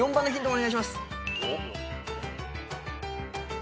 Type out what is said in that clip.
お願いします。